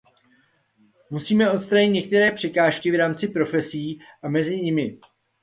Musíme odstranit některé překážky v rámci profesí a mezi nimi.